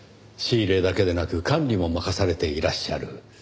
仕入れだけでなく管理も任されていらっしゃる。